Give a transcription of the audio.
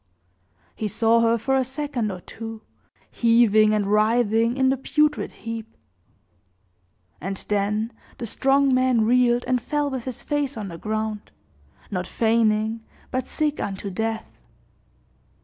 He saw her for a second or two, heaving and writhing in the putrid heap; and then the strong man reeled and fell with his face on the ground, not feigning, but sick unto death.